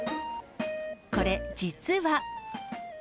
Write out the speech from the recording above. これ、実は。